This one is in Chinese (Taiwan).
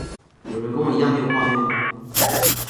有人跟我一樣沒有畫面嗎？